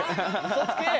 嘘つけえ。